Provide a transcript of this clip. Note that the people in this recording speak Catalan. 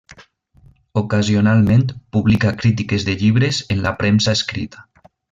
Ocasionalment publica crítiques de llibres en la premsa escrita.